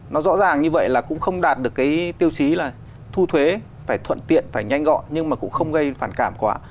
nó rõ ràng như vậy là cũng không đạt được cái tiêu chí là thu thuế phải thuận tiện phải nhanh gọn nhưng mà cũng không gây phản cảm quá